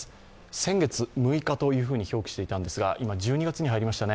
先月６日と表記していたんですが今、１２月に入りましたね。